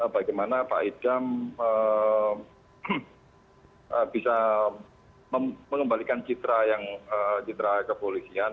bagaimana pak idam bisa mengembalikan citra kepolisian